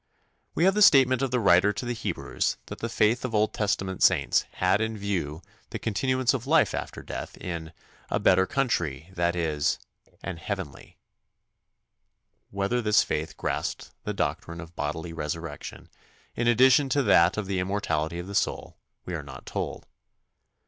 We have the statement of the writer to the Hebrews that the faith of Old Testament saints had in view the continuance of life after death in "a better country, that is, an heavenly." Whether this faith grasped the doctrine of bodily resurrection, in addition to that of the immortality of the soul, we are not told.